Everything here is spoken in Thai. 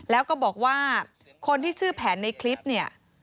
แล้วก็บอกว่าคนที่ชื่อแผนในคลิปเนี่ย